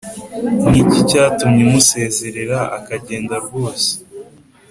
Ni iki cyatumye umusezerera akagenda rwose